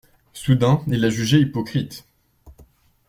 Soudain il la jugeait hypocrite.